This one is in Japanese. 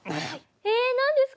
え何ですか。